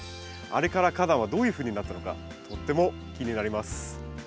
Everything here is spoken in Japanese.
あれから花壇はどういうふうになったのかとっても気になります。